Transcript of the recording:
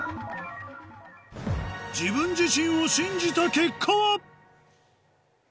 自分自身を信じた結果は？